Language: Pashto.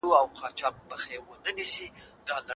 کوچنی او لوی کار حساب لري.